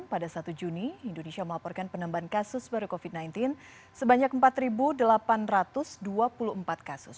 pada satu juni indonesia melaporkan penambahan kasus baru covid sembilan belas sebanyak empat delapan ratus dua puluh empat kasus